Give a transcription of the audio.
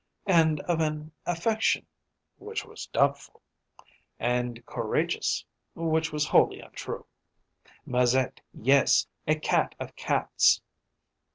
And of an affection (which was doubtful). And courageous (which was wholly untrue). Mazette, yes! A cat of cats!